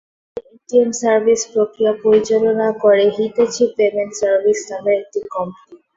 ব্যাংকটির ATM সার্ভিস-প্রক্রিয়া পরিচালনা করে হিটাচি পেমেন্ট সার্ভিস নামের একটি কোম্পানি।